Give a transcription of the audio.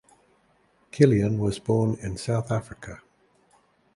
Kilian was born in South Africa.